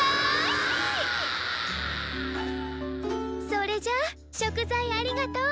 それじゃあ食材ありがとう。